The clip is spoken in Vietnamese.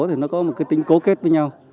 thì nó có một cái tính cấu kết với nhau